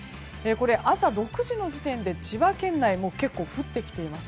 朝６時の時点で千葉県内結構降ってきています。